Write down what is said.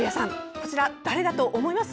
こちら、誰だと思います？